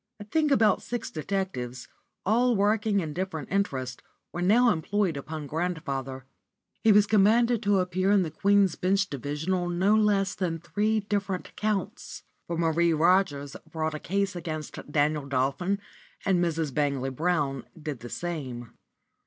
I think about six detectives, all working in different interests, were now employed upon grandfather. He was commanded to appear in the Queen's Bench Division on no less than three different counts, for Marie Rogers brought a case against Daniel Dolphin, and Mrs. Bangley Brown did the same.